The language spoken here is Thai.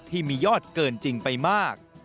ที่มียอดเกินจริงไปมาก